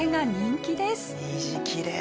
虹きれい。